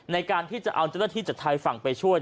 ในการที่จะเอาเจ้าตะที่จัดทายฝั่งไปช่วย